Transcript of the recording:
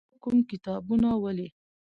ته کوم کتابونه ولې؟